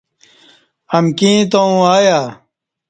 امکی ییں تووں آیہ